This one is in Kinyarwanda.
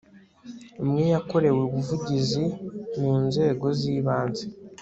umwe yakorewe ubuvugizimu nzego z ibanze